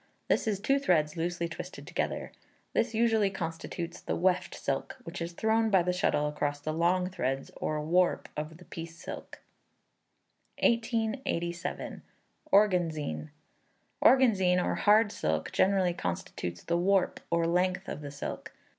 This is two threads loosely twisted together. This usually constitutes the "weft" silk, which is thrown by the shuttle across the long threads, or "warp," of the piece silk. 1887. Organzine. Organzine, or hard silk, generally constitutes the "warp," or length of the silk.